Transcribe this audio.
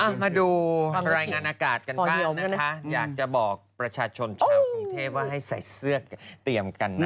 มาดูรายงานอากาศกันบ้างนะคะอยากจะบอกประชาชนชาวกรุงเทพว่าให้ใส่เสื้อเตรียมกันนะ